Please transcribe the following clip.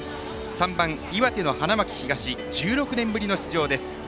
３番、岩手の花巻東１６年ぶりの出場です。